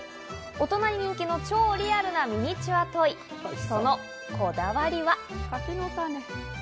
大人に人気の超リアルなミニチュアトイ、そのこだわりは？